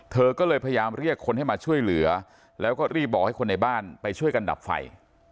เธอก็เลยพยายามเรียกคนให้มาช่วยเหลือแล้วก็รีบบอกให้คนในบ้านไปช่วยกันดับไฟ